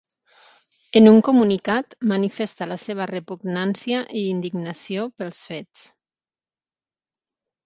En un comunicat, manifesta la seva ‘repugnància i indignació’ pels fets.